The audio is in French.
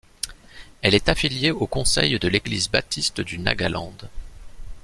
Elle est affiliée au Conseil de l'église baptiste du Nagaland.